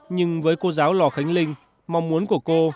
nhưng với cô giáo lò khánh linh mong muốn của cô